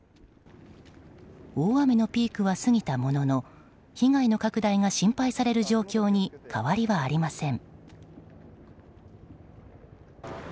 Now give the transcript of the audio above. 大雨のピークは過ぎたものの被害の拡大が心配される状況に変わりはありません。